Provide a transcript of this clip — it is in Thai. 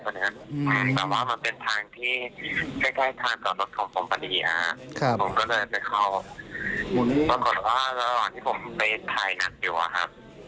ผมก็เลยไปเค้าปรากฎว่าร้อนที่ผมไปถ่ายนักหยิวอะครับ